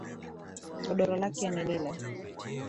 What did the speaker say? Godoro lake ni lile.